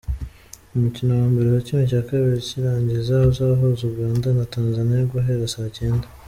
Umukino wa mbere wa ½ cy’irangiza uzahuza Uganda na Tanzania guhera saa cyenda.